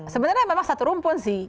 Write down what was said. sebenarnya memang satu rumpun sih